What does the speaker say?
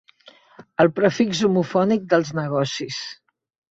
El prefix homofònic dels negocis.